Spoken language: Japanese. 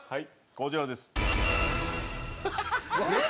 こちらです。